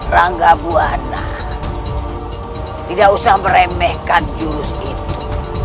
rangga buana tidak usah meremehkan jurus itu